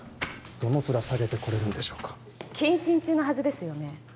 どの面下げて来れるんでしょうか謹慎中のはずですよね？